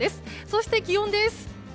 そして、気温です。